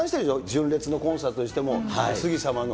純烈のコンサートにしても、杉様の、